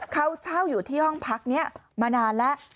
เขาเช่าอยู่ที่ห้องพักนี้มานานแล้ว